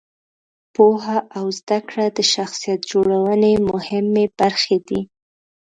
پوهه او زده کړه د شخصیت جوړونې مهمې برخې دي.